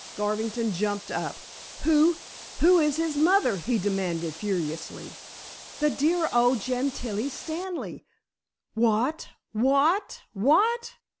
Garvington jumped up. "Who who who is his mother?" he demanded, furiously. "That dear old Gentilla Stanley." "What! What! What!"